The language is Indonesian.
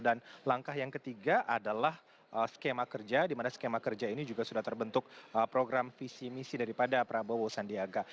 dan langkah yang ketiga adalah skema kerja di mana skema kerja ini juga sudah terbentuk program visi misi daripada prabowo sandiaga